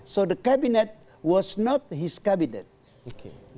jadi kabinet itu bukan kabinetnya